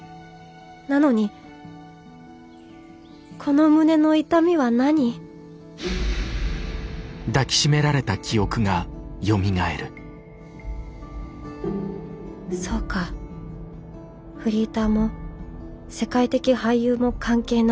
なのにこの胸の痛みは何そうかフリーターも世界的俳優も関係ない。